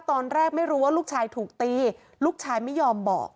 ตอนแรกไม่รู้ว่าลูกชายถูกตีลูกชายไม่ยอมบอก